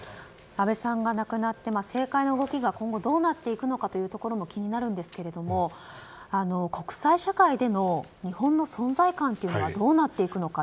安倍さんが亡くなって政界の動きが今後どうなっていくかも気になりますが国際社会での日本の存在感はどうなっていくのか。